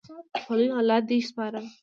په لوی الله دې سپارم